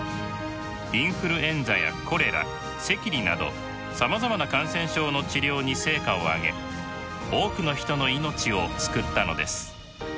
インフルエンザやコレラ赤痢などさまざまな感染症の治療に成果を上げ多くの人の命を救ったのです。